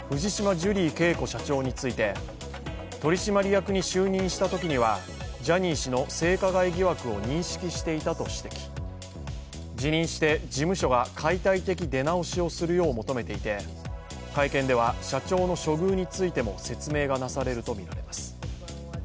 ジュリー景子社長について取締役に就任したときにはジャニー氏の性加害疑惑を認識していたと指摘辞任して事務所が解体的出直しをするよう求めていて会見では社長の処遇についても説明がなされるとみられます。